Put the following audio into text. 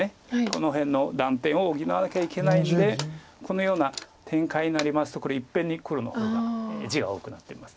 この辺の断点を補わなきゃいけないのでこのような展開になりますとこれいっぺんに黒の方が地が多くなっちゃいますので。